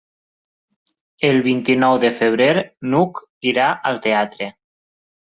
El vint-i-nou de febrer n'Hug irà al teatre.